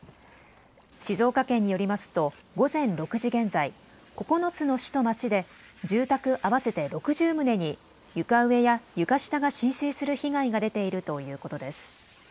静岡県によりますと午前６時現在、９つの市と町で住宅合わせて６０棟に床上や床下が浸水する被害が出ているということです。